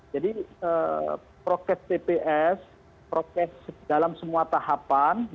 jadi prokes tps prokes dalam semua tahapan